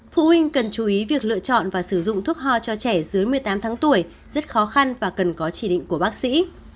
phụ huynh cần chú ý việc lựa chọn và sử dụng thuốc ho cho trẻ dưới một mươi tám tháng tuổi rất khó khăn và cần có chỉ định của bác sĩ